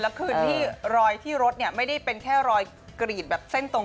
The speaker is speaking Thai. แล้วคืนที่รอยที่รถเนี่ยไม่ได้เป็นแค่รอยกรีดแบบเส้นตรง